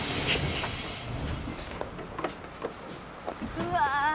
うわ！